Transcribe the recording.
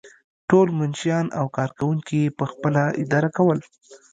ټول منشیان او کارکوونکي یې پخپله اداره کول.